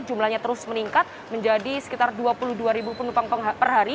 jumlahnya terus meningkat menjadi sekitar dua puluh dua penumpang per hari